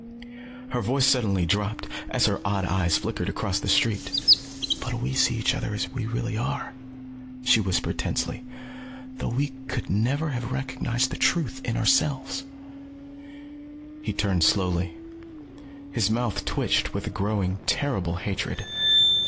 Her voice suddenly dropped as her odd eyes flickered across the street. "But we see each other as we really are," she whispered tensely. "Though we could never have recognized the truth in ourselves." She pointed stiffly. Her mouth gaped, quivered slightly. He turned slowly. His mouth twitched with a growing terrible hatred.